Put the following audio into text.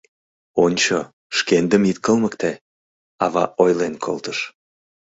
«Ончо, шкендым ит кылмыкте», — ава ойлен колтыш.